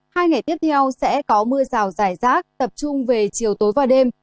hai ngày tiếp theo sẽ có mưa rào rải rác tập trung về chiều tối và đêm